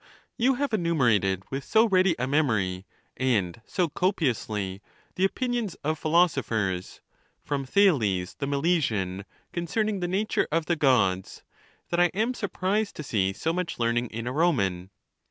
XXXIII. You have enumerated with so ready a memory, and so copiously, the opinions of philosophers, from Thales the Milesian, concerning the nature of the Gods, that I am surprised to see so much learning in a Roman.